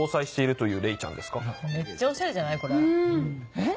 えっ⁉